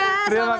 selamat tahun baru